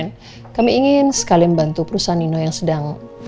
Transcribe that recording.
kami ingin sekali membantu perusahaan nino yang sedang